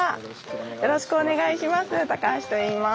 よろしくお願いします。